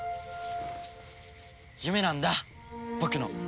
夢なんだ僕の。